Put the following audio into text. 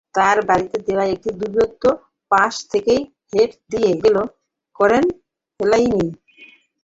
তাঁর বাড়িয়ে দেওয়া একটি দুর্দান্ত পাস থেকেই হেড দিয়ে গোল করেন ফেলাইনি।